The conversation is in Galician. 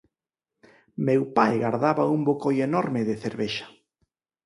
Meu pai gardaba un bocoi enorme de cervexa.